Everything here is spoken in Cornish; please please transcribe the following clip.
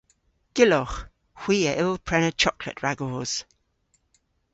Gyllowgh. Hwi a yll prena choklet ragos.